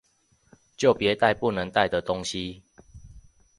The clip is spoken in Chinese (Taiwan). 就別帶不能帶的東西！